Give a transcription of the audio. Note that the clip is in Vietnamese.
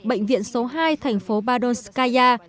bệnh viện số hai thành phố badonskaya